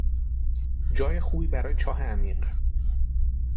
جای خوبی برای چاه عمیق